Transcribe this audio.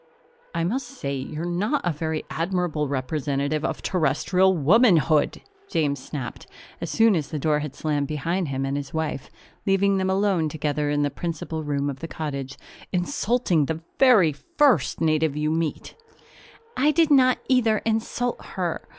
"I must say you're not a very admirable representative of Terrestrial womanhood!" James snapped, as soon as the door had slammed behind him and his wife, leaving them alone together in the principal room of the cottage. "Insulting the very first native you meet!" "I did not either insult her.